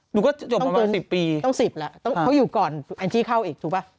หนูก็จบประมาณสิบปีต้องสิบแล้วเขาอยู่ก่อนอันที่เข้าอีกถูกปะ